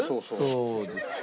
そうですね。